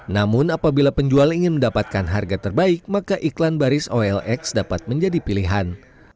namun apabila penjual ingin mendapatkan harga terbaik maka iklan baris olx dapat menjadi pilihan